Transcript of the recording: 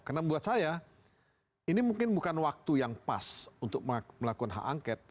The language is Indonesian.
karena buat saya ini mungkin bukan waktu yang pas untuk melakukan hak angket